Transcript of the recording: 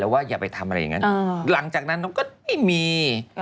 เอาอย่างนี้